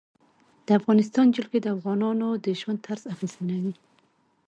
د افغانستان جلکو د افغانانو د ژوند طرز اغېزمنوي.